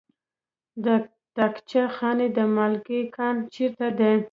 د طاقچه خانې د مالګې کان چیرته دی؟